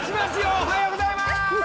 おはようございます！